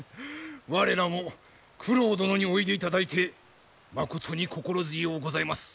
我らも九郎殿においでいただいてまことに心強うございます。